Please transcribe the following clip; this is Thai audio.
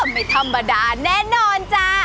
ไม่ธรรมดาแน่นอนจ้า